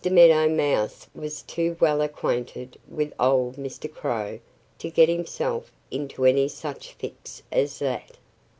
Meadow Mouse was too well acquainted with old Mr. Crow to get himself into any such fix as that.